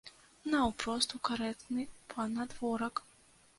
Наўпрост у карэтны панадворак.